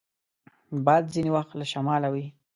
باد ځینې وخت له شماله وي